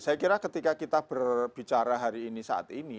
saya kira ketika kita berbicara hari ini saat ini